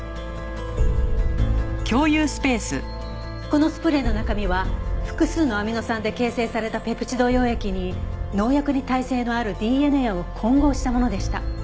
このスプレーの中身は複数のアミノ酸で形成されたペプチド溶液に農薬に耐性のあるＤＮＡを混合したものでした。